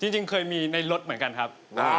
จริงเคยมีในรถเหมือนกันครับ